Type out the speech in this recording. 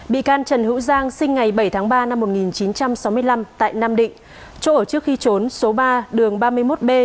bị can trần hữu giang sinh ngày bảy tháng ba năm một nghìn chín trăm sáu mươi năm tại nam định chỗ ở trước khi trốn số ba đường ba mươi một b